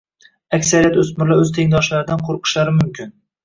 Aksariyat o‘smirlar o‘z tengdoshlaridan qo‘rqishlari mumkin.